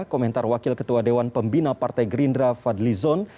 komentar wakil ketua dewan pembina partai gerindra fadli zon